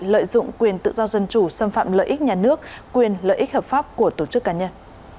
lợi dụng quyền tự do dân chủ xâm phạm lợi ích nhà nước quyền lợi ích hợp pháp của tổ chức cá nhân